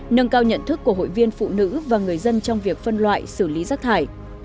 nâng cao nhận thức của hội viên phụ nữ và người dân trong việc phân loại xử lý rác thải